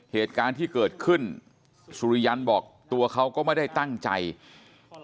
เหตุการณ์ที่เกิดขึ้นสุริยันบอกตัวเขาก็ไม่ได้ตั้งใจ